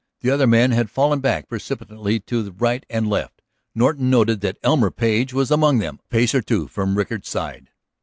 The other men had fallen back precipitately to right and left; Norton noted that Elmer Page was among them, a pace or two from Rickard's side.